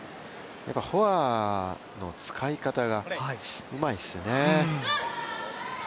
フォアの使い方がうまいですよね。